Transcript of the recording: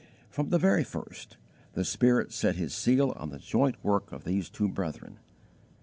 From the very first, the Spirit set His seal on the joint work of these two brethren.